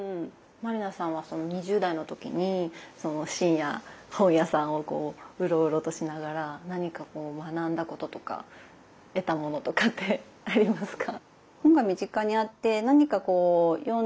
満里奈さんはその２０代の時に深夜本屋さんをうろうろとしながら何か学んだこととか得たものとかってありますか？